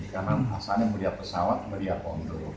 karena asalnya melihat pesawat melihat pondok